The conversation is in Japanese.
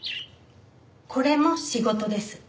これも仕事です。